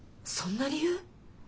そんな理由？